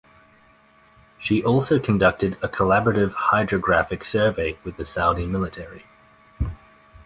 She also conducted a collaborative hydrographic survey with the Saudi military.